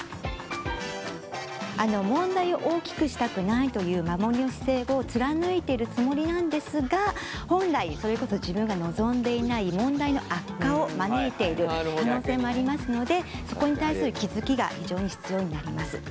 問題を大きくしたくないという守りの姿勢を貫いてるつもりなんですが本来それこそ自分が望んでいない問題の悪化を招いている可能性もありますのでそこに対する気付きが非常に必要になります。